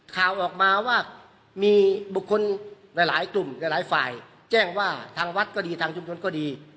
ข่าวออกมาว่ามีบุคคลหลายกลุ่มหลายฝ่ายแจ้งว่าทางวัดก็ดีทางชุมชนก็ดี